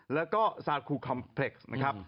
แล้วก็ซาคูคอมเพล็กซ์นะครับ